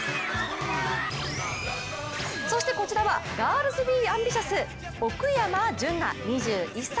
そして、こちらはガールズ・ビー・アンビシャス奥山純菜、２１歳。